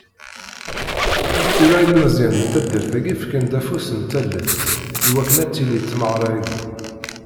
Ula ilmeẓyen n taddart-agi fkan-d afus n tallelt, i wakken ad tili tmeɣra-agi..